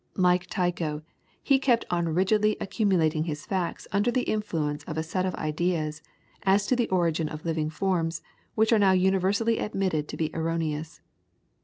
Like Tycho, he kept on rigidly accumulating his facts under the influence of a set of ideas as to the origin of living forms which are now universally admitted to be erroneous.